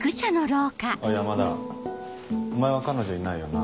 おい山田お前は彼女いないよな？